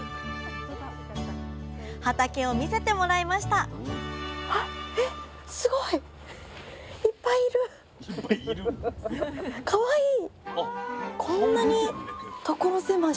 畑を見せてもらいましたあっえっすごいかわいい。